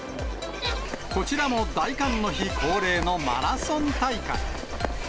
こちらも大寒の日恒例のマラソン大会。